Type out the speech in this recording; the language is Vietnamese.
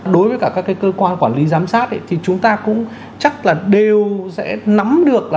đối với các cơ quan quản lý giám sát chúng ta cũng chắc đều sẽ nắm được